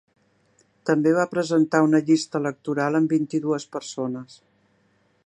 També va presentar una llista electoral amb vint-i-dues persones.